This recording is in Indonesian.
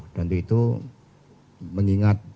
dan itu itu mengingat